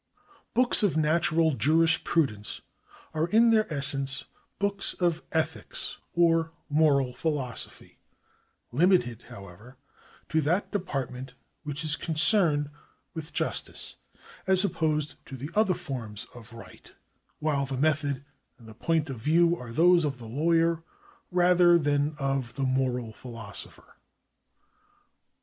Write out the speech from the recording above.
Books of natural jurisprudence are in their essence books of ethics or moral philosophy, limited, however, to that de partment which is concerned with justice, as opposed to the other forms of right, while the method and the point of view are those of the lawyer rather than of the moral philosopher.